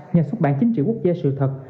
nhà xuất bản chính trị quốc gia sự thật